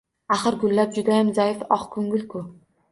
Axir, gullar judayam zaif, oqko‘ngil-ku.